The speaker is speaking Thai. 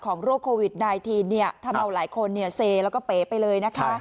ของโรคโควิด๑๙เนี่ยทำเอาหลายคนเนี่ยเซแล้วก็เป๋ไปเลยนะคะ